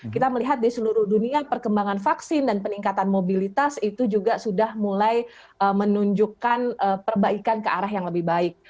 kita melihat di seluruh dunia perkembangan vaksin dan peningkatan mobilitas itu juga sudah mulai menunjukkan perbaikan ke arah yang lebih baik